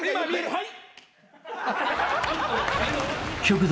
はい。